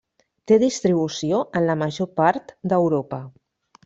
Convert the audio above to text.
Té distribució en la major part d'Europa.